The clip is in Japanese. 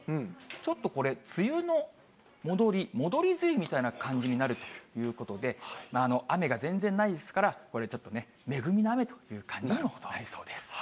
ちょっとこれ、梅雨の戻り、戻り梅雨みたいな感じになるということで、雨が全然ないですから、これでちょっとね、恵みの雨という感じになりそうです。